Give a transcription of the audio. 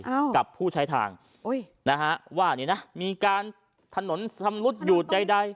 กับผู้ใช้ทางอุ้ยนะฮะว่านี่นะมีการถนนชำรุดอยู่ใดใด